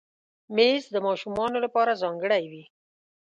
مېز د ماشومانو لپاره ځانګړی وي.